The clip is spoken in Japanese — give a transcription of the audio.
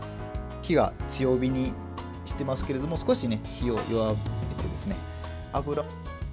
火は強火にしてますけれども少し火を弱めて、油。